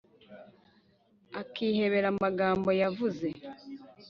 Akihebera amagambo yavuze.